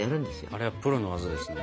あれはプロの技ですね。